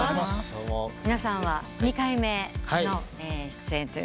皆さんは２回目の出演と。